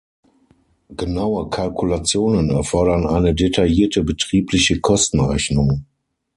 Genaue Kalkulationen erfordern eine detaillierte betriebliche Kostenrechnung.